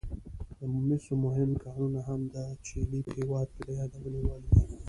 د مسو مهم کانونه هم د چیلي په هېواد کې د یادونې وړ دي.